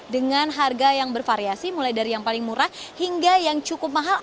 dengan harga yang bervariasi mulai dari yang paling murah hingga yang cukup mahal